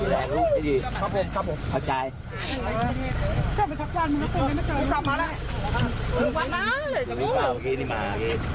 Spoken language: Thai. สารชำมูแก่ไม่ครีดมา